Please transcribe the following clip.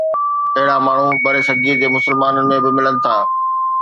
اهڙا ماڻهو برصغير جي مسلمانن ۾ به ملن ٿا.